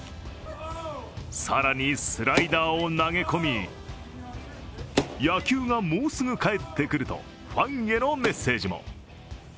更に、スライダーを投げ込み「野球がもうすぐ戻ってくる」とファンへのメッセージも。